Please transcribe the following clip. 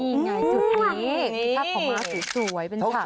นี่ไงจุดนี้ทักของม้าสวยเป็นฉากมาก